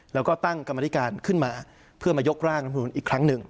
แล้วก็ตั้งกรรมธิการขึ้นมาเพื่อมายกร่างรัฐมนุนอีกครั้งหนึ่ง